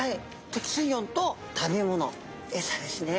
適水温と食べ物エサですね。